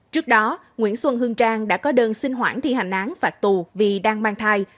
trước đó nguyễn xuân hương trang đã có đơn xin hoãn thi hành án phạt tù vì đang mang thai